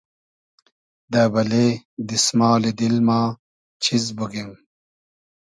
دۂ بئلې دیسمالی دیل ما چیز بوگیم